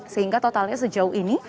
sehingga totalnya sejauh ini